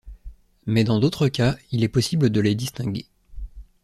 Mais dans d'autres cas, il est possible de les distinguer.